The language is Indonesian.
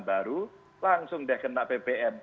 baru langsung sudah kena ppm